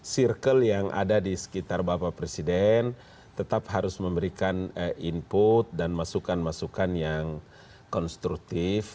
circle yang ada di sekitar bapak presiden tetap harus memberikan input dan masukan masukan yang konstruktif